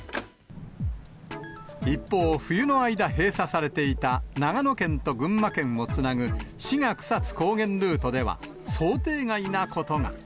一方、冬の間、閉鎖されていた長野県と群馬県をつなぐ志賀草津高原ルートでは、想定外なことが。